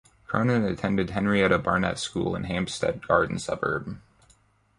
Cronin attended Henrietta Barnett School in Hampstead Garden Suburb.